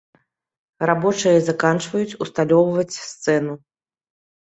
Рабочыя заканчваюць ўсталёўваць сцэну.